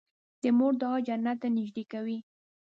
د مور دعا جنت ته نږدې کوي.